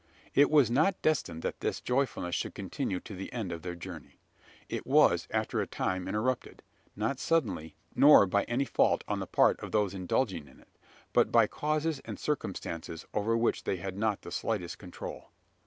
It was not destined that this joyfulness should continue to the end of their journey. It was after a time interrupted not suddenly, nor by any fault on the part of those indulging in it, but by causes and circumstances over which they had not the slightest control.